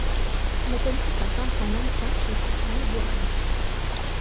Nathalie est un pimpant mannequin chez le couturier Boran.